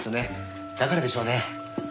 だからでしょうね。